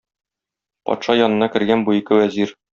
Патша янына кергән бу ике вәзир.